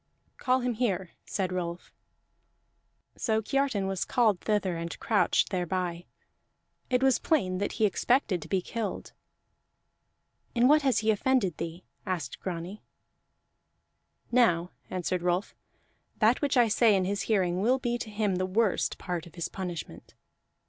"Call him here," said Rolf. So Kiartan was called thither and crouched thereby; it was plain that he expected to be killed. "In what has he offended thee?" asked Grani. "Now," answered Rolf, "that which I say in his hearing will be to him the worst part of his punishment.